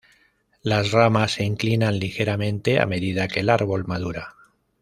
Las ramas se inclinan ligeramente a medida que el árbol madura.